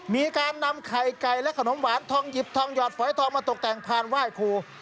มีการนำไข่ไก่และขนมหวานทองหยิบทองหยอดฝอยทองมาตกแต่งผ่านไหว้ครู